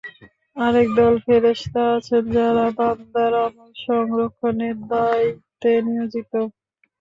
আরেক দল ফেরেশতা আছেন, যাঁরা বান্দার আমল সংরক্ষণের দায়িত্বে নিয়োজিত।